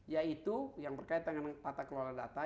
yaitu yang berkaitan dengan tata kelola data